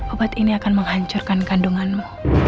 obat ini akan menghancurkan kandunganmu